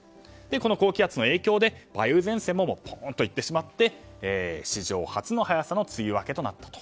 この高気圧の影響で梅雨前線も行ってしまって史上初の早さの梅雨明けとなったと。